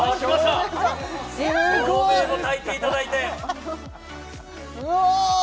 照明もたいていただいてうわ